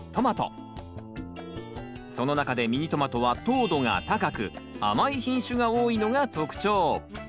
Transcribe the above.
その中でミニトマトは糖度が高く甘い品種が多いのが特徴。